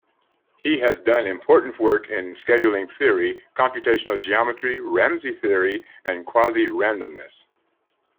He has done important work in scheduling theory, computational geometry, Ramsey theory, and quasi-randomness.